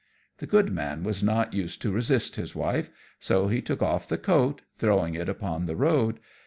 The good man was not used to resist his wife, so he took off the coat, throwing it upon the road.